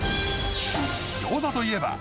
餃子といえば芭莉